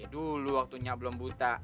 dulu waktu nyiak belum buta